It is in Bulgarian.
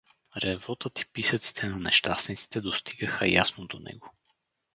Ревотът и писъците на нещастниците достигаха ясно до него.